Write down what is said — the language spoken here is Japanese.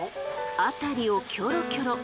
辺りをキョロキョロ。